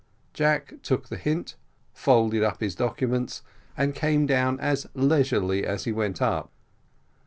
Jack took the hint, folded up his documents, and came down as leisurely as he went up.